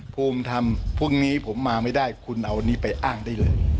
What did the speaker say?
ภูมิทำพวกนี้ผมมาไม่ได้คุณเอานี้ไปอ้างได้เลย